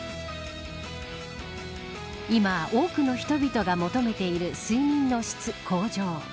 今、多くの人々が求めている睡眠の質向上。